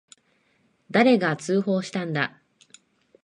誰が通報したんだ。